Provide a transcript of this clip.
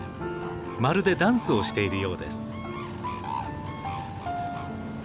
まるでダンスをしているようです。